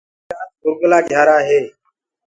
ميريٚ جات گُرگُلا(گهيارآ) هي۔